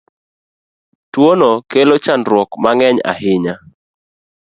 Tuono kelo chandruoge ma ng'eny ahinya.